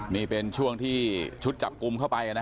นี่เป็นช่วงที่ชุดจับกลุ่มเข้าไปนะ